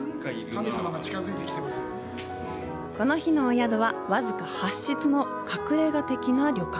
この日のお宿は僅か８室の隠れ家的な旅館。